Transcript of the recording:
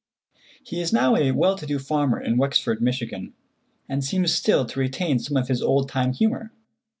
He is now a well to do farmer in Wexford, Mich., and seems still to retain some of his old time humor.